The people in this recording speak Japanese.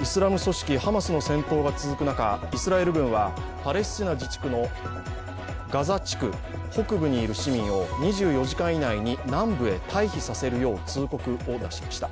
イスラム組織ハマスの戦闘が続く中、イスラエル軍はパレスチナ自治区のガザ地区北部にいる市民を２４時間以内に南部へ退避させるよう通告を出しました。